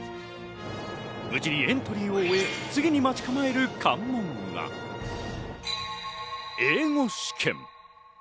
無事にエントリーを終え、次に待ち構える関門が、英語試験。